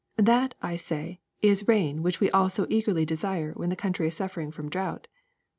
That, I say, is rain which we all so eagerly desire when the country is suffering from drought.